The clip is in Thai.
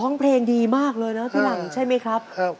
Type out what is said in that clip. ร้องเพลงดีมากเลยนะพี่หลังใช่ไหมครับ